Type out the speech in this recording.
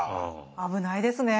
危ないですね。